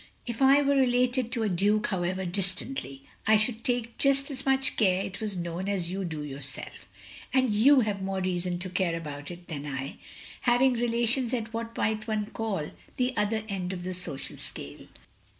"If I were related to a Duke, however distantly, I should take just as much care it was known as you do yourself. And you have more reason to care about it than I — having relations at what one might call the other end of the social scale."